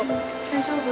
大丈夫？